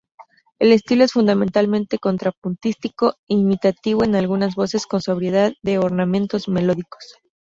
El estilo es fundamentalmente contrapuntístico-imitativo en algunas voces con sobriedad de ornamentos melódicos.